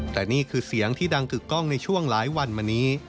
แต่นี่คือเสียงที่ดังกึกกล้องในช่วงหลายวันมานี้